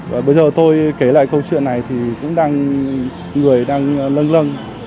và bây giờ tôi kể lại câu chuyện này thì cũng đang người đang lâng lâng